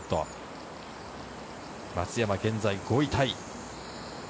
松山、現在５位タイ。